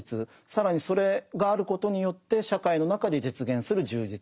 更にそれがあることによって社会の中で実現する充実